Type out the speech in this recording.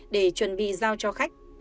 để chuẩn bị giao cho khách